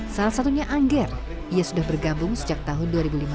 salah satunya angger ia sudah bergabung sejak tahun dua ribu lima belas